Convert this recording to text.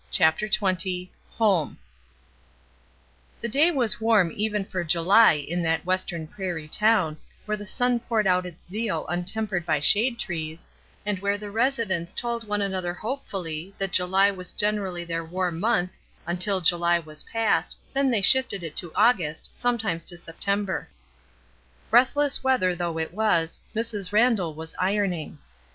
CHAPTER XX HOME r 1 1HE day was warm even for July in that L western prairie town, where the sun poured out its zeal untempered by shade trees, and where the residents told one another hopefully that July was generally their warm month, until July was past, then they shifted it to August, sometimes to September. Breathless weather though it was, Mrs. Randall was ironing.